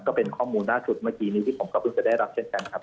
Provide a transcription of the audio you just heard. ก็เป็นข้อมูลล่าสุดเมื่อกี้นี้ที่ผมก็เพิ่งจะได้รับเช่นกันครับ